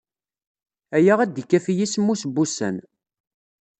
Aya ad d-ikafi i semmus wussan.